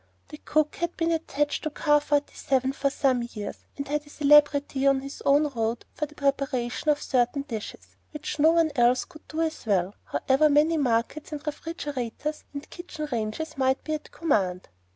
The cook had been attached to Car Forty seven for some years, and had a celebrity on his own road for the preparation of certain dishes, which no one else could do as well, however many markets and refrigerators and kitchen ranges might be at command.